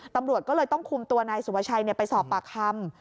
ตำรวจก็เลยต้องคุมตัวนายสุภาชัยไปสอบปากคำ